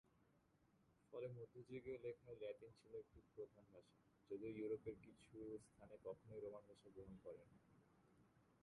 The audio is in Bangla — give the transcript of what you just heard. ফলে মধ্যযুগীয় লেখায় লাতিন ছিল একটি প্রধান ভাষা, যদিও ইউরোপের কিছু স্থানে কখনোই রোমান ভাষা গ্রহণ করে নি।